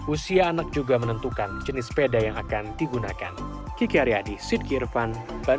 usia anak juga menentukan jenis sepeda yang akan digunakan